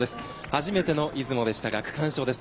初めての出雲でしたが区間賞です。